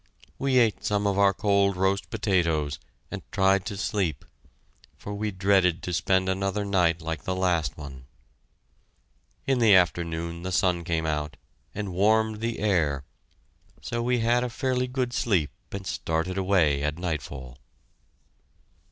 We ate some of our cold roast potatoes, and tried to sleep, for we dreaded to spend another night like the last one. In the afternoon the sun came out and warmed the air, so we had a fairly good sleep and started away at nightfall.